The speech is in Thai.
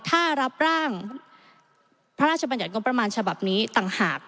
ถ้ารับร่างพระราชบัญญัติงบประมาณฉบับนี้ต่างหาก